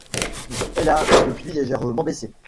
Elle a depuis légèrement baissé.